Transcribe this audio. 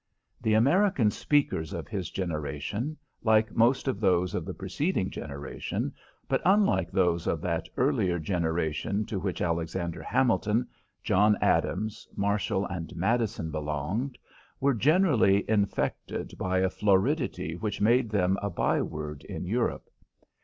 The American speakers of his generation, like most of those of the preceding generation, but unlike those of that earlier generation to which Alexander Hamilton, John Adams, Marshall and Madison belonged, were generally infected by a floridity which made them a by word in Europe.